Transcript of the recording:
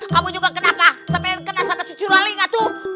kamu juga kenapa sampai kena sama curaling itu